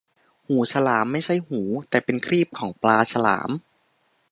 หูฉลาม ไม่ใช่หู แต่เป็นครีบของปลาฉลาม